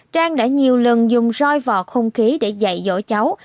trang đã nhiều lần dùng roi vọt không khí để dạy dỗ cháu